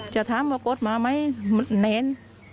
จะถามว่ากฏมาไหมแน่น